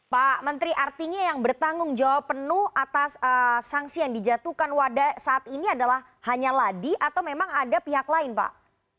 pak menteri artinya yang bertanggung jawab penuh atas sanksi yang dijatuhkan wadah saat ini adalah hanya ladi atau memang ada pihak lain pak